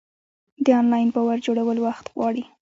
د انلاین باور جوړول وخت غواړي.